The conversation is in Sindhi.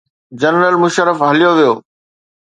جنرل مشرف هليو ويو.